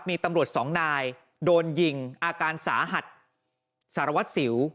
มีตำรวจสองนายโดนยิงอาการสาหัสสารวัตรสิว